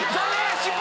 失敗！